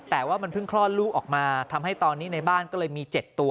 แต่ว่ามันเพิ่งคลอดลูกออกมาทำให้ตอนนี้ในบ้านก็เลยมี๗ตัว